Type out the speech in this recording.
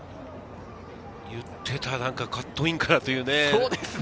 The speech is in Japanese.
言ってたカットインからというね。